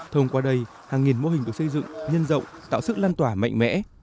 thông qua đây hàng nghìn mô hình được xây dựng nhân rộng tạo sức lan tỏa mạnh mẽ